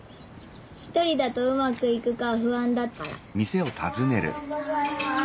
ひとりだとうまくいくかふあんだからおはようございます。